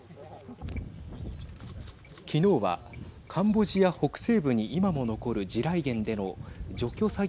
昨日はカンボジア北西部に今も残る地雷原での除去作業